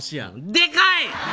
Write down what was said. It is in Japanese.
でかい。